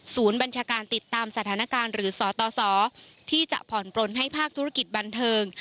บัญชาการติดตามสถานการณ์หรือสตสที่จะผ่อนปลนให้ภาคธุรกิจบันเทิง